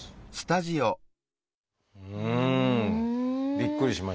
びっくりしました。